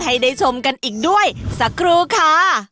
ให้ได้ชมกันอีกด้วยสักครู่ค่ะ